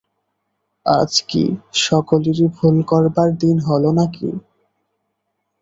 আজ কি সকলেরই ভুল করবার দিন হল না কি?